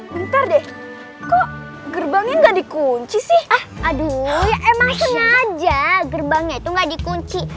bentar deh kok gerbangnya enggak dikunci sih aduh emang senjata gerbangnya itu nggak dikunci